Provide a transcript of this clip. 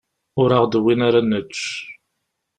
Ur aɣ-d-wwin ara ad nečč.